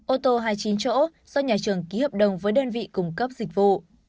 ô tô hai mươi chín chỗ do nhà trường ký hợp đồng với đơn vị cung cấp dịch vụ